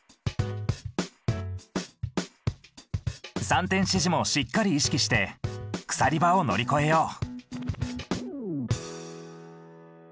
三点支持もしっかり意識して鎖場を乗り越えよう。